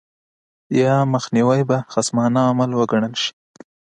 یا مخنیوی به خصمانه عمل وګڼل شي.